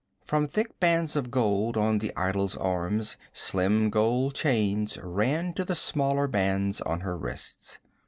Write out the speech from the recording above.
From thick bands of gold on the idol's arms slim gold chains ran to smaller bands on her wrists.